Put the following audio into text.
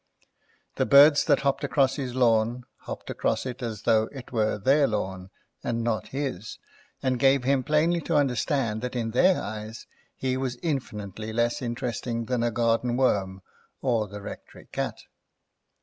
The birds that hopped across his lawn hopped across it as though it were their lawn, and not his, and gave him plainly to understand that in their eyes he was infinitely less interesting than a garden worm or the rectory cat.